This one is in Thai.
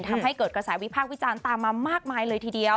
ทำให้เกิดกระแสวิพากษ์วิจารณ์ตามมามากมายเลยทีเดียว